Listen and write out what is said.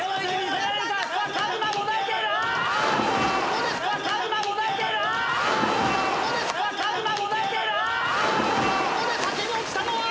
ここで先に落ちたのは。